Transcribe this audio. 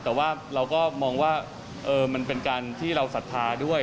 แต่ว่าเราก็มองว่ามันเป็นการที่เราศรัทธาด้วย